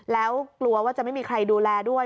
แล้วกลัวว่าจะไม่มีใครดูแลด้วย